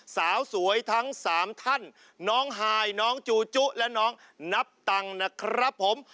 สาวสวยทั้ง๓ท่านน้องฮายน้องจูจุและน้องนับตังนะครับผม